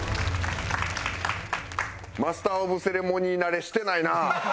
マスター・オブ・セレモニー慣れしてないな。